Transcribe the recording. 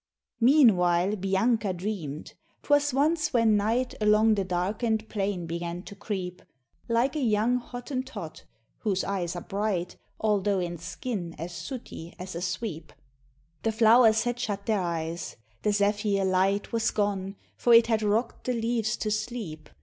Meanwhile, Bianca dream'd 'twas once when Night Along the darken'd plain began to creep, Like a young Hottentot, whose eyes are bright, Altho' in skin as sooty as a sweep: The flow'rs had shut their eyes the zephyr light Was gone, for it had rock'd the leaves to sleep.